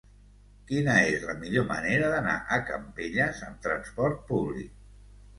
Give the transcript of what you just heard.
Quina és la millor manera d'anar a Campelles amb trasport públic?